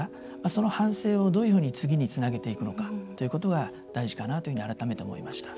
その反省をどういうふうに次につなげていくのかということは大事かなというふうに改めて思いました。